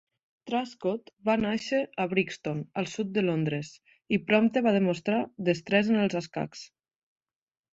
Truscott va nàixer a Brixton, al sud de Londres, i prompte va mostrar destresa en els escacs.